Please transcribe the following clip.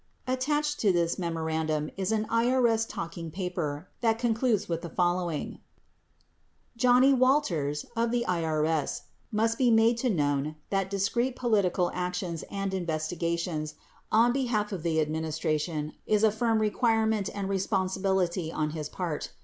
55 Attached to this memorandum is an " I.R.S. Talk ing Paper 1 ' 1 that concludes with the following: [ Johnnie] Walters [of the IRS] must be made to know that discreet political actions and investigations on behalf of the Administration are a firm requirement and responsibility on his part.